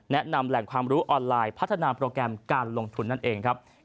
แหล่งความรู้ออนไลน์พัฒนาโปรแกรมการลงทุนนั่นเองครับ